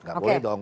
gak boleh dong